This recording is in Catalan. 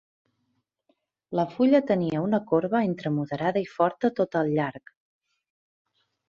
La fulla tenia una corba entre moderada i forta tot al llarg.